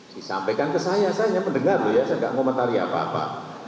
disampaikan ke saya saya hanya mendengar saya tidak mau mencari apa apa